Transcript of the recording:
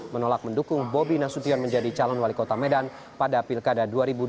menolak mendukung bobi nasution menjadi calon wali kota medan pada pilkada dua ribu dua puluh